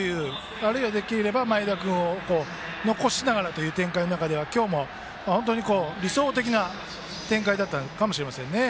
あるいは、できれば前田君を残しながらという展開の中では今日も、本当に理想的な展開だったかもしれません。